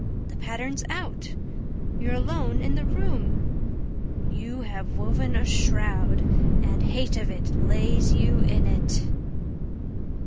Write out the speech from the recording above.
The pattern's out You're alone in the room! You have woven a shroud And hate of it lays you in it.